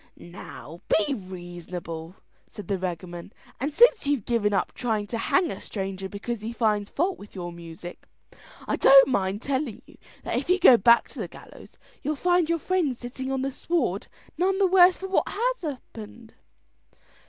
"Now you're reasonable," said the beggarman; "and since you've given up trying to hang a stranger because he finds fault with your music, I don't mind telling you that if you go back to the gallows you'll find your friends sitting on the sward none the worse for what has happened."